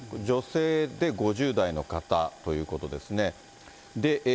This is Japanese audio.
女性で５０代の方ということですね。